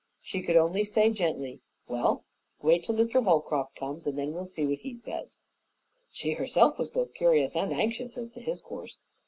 She could only say gently, "Well, wait till Mr. Holcroft comes, and then we'll see what he says." She herself was both curious and anxious as to his course.